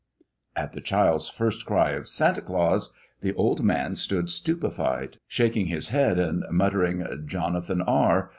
At the child's first cry of "Santa Claus!" the old man stood stupefied, shaking his head and muttering "Jonathan R."